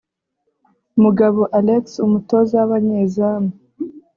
Mugabo Alexis (Umutoza w’abanyezamu)